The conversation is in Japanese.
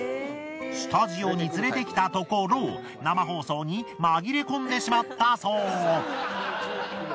スタジオに連れてきたところ生放送に紛れ込んでしまったそう。